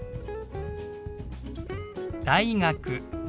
「大学」。